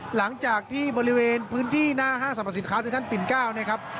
หลังจากที่บริเวณพื้นที่หน้าห้างสรรพสินค้าเซชั่นปิ่น๙นะครับ